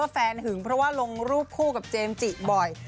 แฟนหึงเพราะว่าลงรูปคู่กับเจมส์จิบ่อย